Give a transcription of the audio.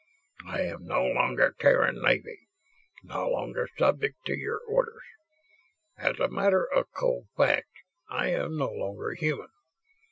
"I am no longer Terran Navy; no longer subject to your orders. As a matter of cold fact, I am no longer human.